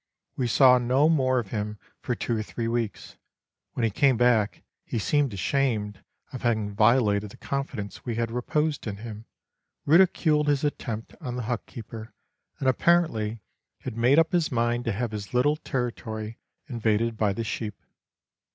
We saw no more of him for two or three weeks. When he came back he seemed ashamed of having violated the confidence we had reposed in him, ridiculed his attempt on the hut keeper, and apparently had made up his mind to have his little territory invaded by the sheep.